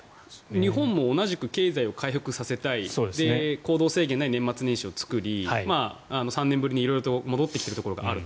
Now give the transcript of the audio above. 日本も同じく経済を回復させたい行動制限のない年末年始を作り３年ぶりに色々戻ってきているところがあると。